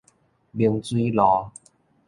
明水路